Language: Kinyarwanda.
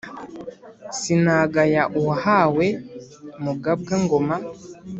Sinagaya uhawe, Mugabwa-ngoma